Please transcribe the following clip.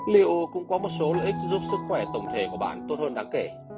liu cũng có một số lợi ích giúp sức khỏe tổng thể của bạn tốt hơn đáng kể